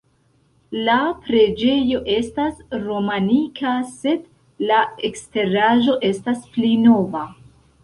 La preĝejo estas romanika sed la eksteraĵo estas pli nova.